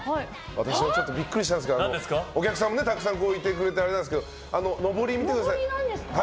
私もビックリしたんですがお客さん、たくさんいてくれてあれなんですけどのぼりを見てください。